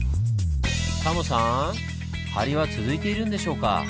タモさん梁は続いているんでしょうか？